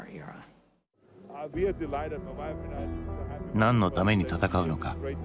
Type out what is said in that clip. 何のために戦うのか？